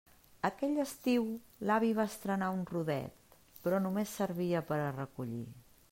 Aquell estiu l'avi va estrenar un rodet, però només servia per a recollir.